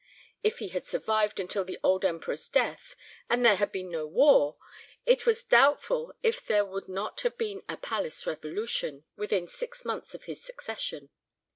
If he had survived until the old Emperor's death, and there had been no war, it was doubtful if there would not have been a "palace revolution" within six months of his succession.